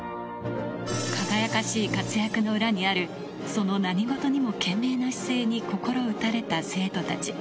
輝かしい活躍の裏にある、その何事にも懸命な姿勢に心打たれた生徒たち。